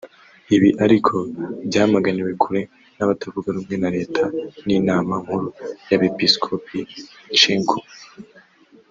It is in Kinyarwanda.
Ibi ariko byamaganiwe kure n’abatavuga rumwe na leta n’inama nkuru y’Abepisikopi (Cenco)